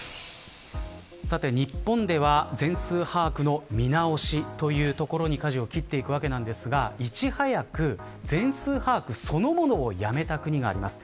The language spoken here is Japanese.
さて日本では、全数把握の見直しというところにかじを切っていくわけですがいち早く、全数把握そのものをやめた国があります。